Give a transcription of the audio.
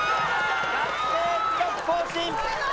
学生記録更新。